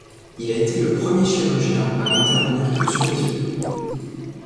Il a été le premier chirurgien à n'intervenir que sur les yeux.